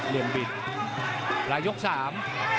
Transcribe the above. เรียนบิดลายกลุ่ม๓